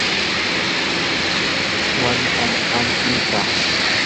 walitam rantikaa.